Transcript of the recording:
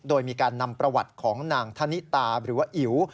โดยมีการนำประวัติของนางธนิตาหรือว่าอิ๋ว